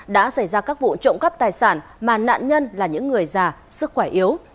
đã xảy ra các vụ trộm cắp tài sản mà nạn nhân là những người già sức khỏe yếu